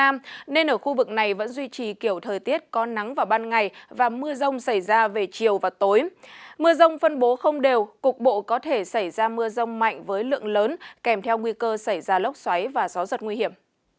mưa rông phân bố không đều cục bộ có thể xảy ra mưa rông mạnh với lượng lớn kèm theo nguy cơ xảy ra lốc xoáy và gió giật nguy hiểm